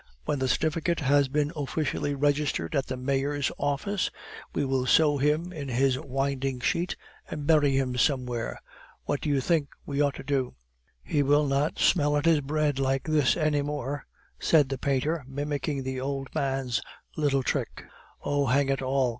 "When the certificate has been officially registered at the Mayor's office, we will sew him in his winding sheet and bury him somewhere. What do you think we ought to do?" "He will not smell at his bread like this any more," said the painter, mimicking the old man's little trick. "Oh, hang it all!"